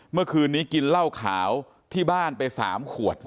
เมื่อคืนนี้กินเหล้าขาวที่บ้านไป๓ขวด